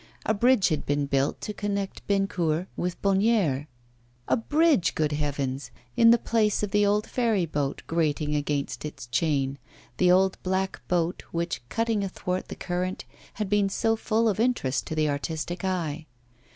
A bridge had been built to connect Bennecourt with Bonnières: a bridge, good heavens! in the place of the old ferry boat, grating against its chain the old black boat which, cutting athwart the current, had been so full of interest to the artistic eye.